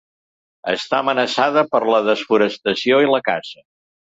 Està amenaçada per la desforestació i la caça.